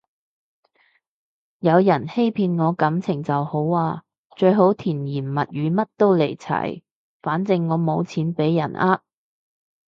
有人欺騙我感情就好啊，最好甜言蜜語乜都嚟齊，反正我冇錢畀人呃